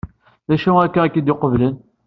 D acu akka ay k-id-iqublen?